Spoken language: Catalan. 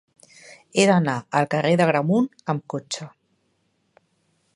He d'anar al carrer d'Agramunt amb cotxe.